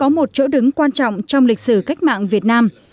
báo chí là một trong những chỗ đứng quan trọng trong lịch sử cách mạng việt nam